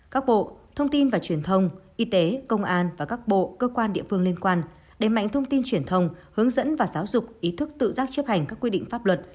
các bộ thông tin và truyền thông y tế công an và các bộ cơ quan địa phương liên quan đề mạnh thông tin truyền thông hướng dẫn và giáo dục ý thức tự giác chấp hành các quy định pháp luật